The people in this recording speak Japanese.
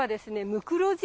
ムクロジ。